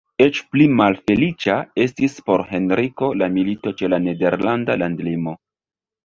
Eĉ pli malfeliĉa estis por Henriko la milito ĉe la nederlanda landlimo.